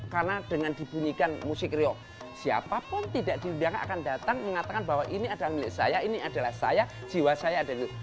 karena dengan dibunyikan musik reog siapapun tidak dirindahkan akan datang mengatakan bahwa ini adalah milik saya ini adalah saya jiwa saya adalah